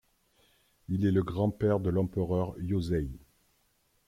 Il est le grand-père de l'empereur Yōzei.